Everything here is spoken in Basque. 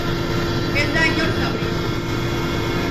Ez da inor zauritu.